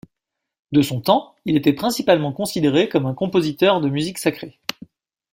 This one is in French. De son temps, il était principalement considéré comme un compositeur de musique sacrée.